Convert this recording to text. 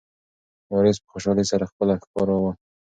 وارث په خوشحالۍ سره خپله ښکار راوړ.